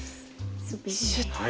シュッと。